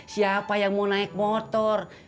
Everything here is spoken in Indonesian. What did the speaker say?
siapa yang mau naik motor